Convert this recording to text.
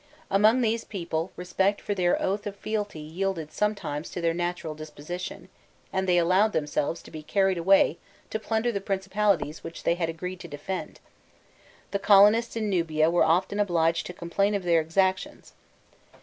Among these people respect for their oath of fealty yielded sometimes to their natural disposition, and they allowed themselves to be carried away to plunder the principalities which they had agreed to defend: the colonists in Nubia were often obliged to complain of their exactions.